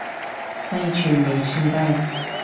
低處未算低